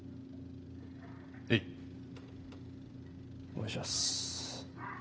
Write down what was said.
お願いします。